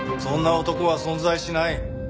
そんな男は存在しない。